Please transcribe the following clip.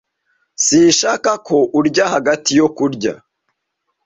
Sinshaka ko urya hagati yo kurya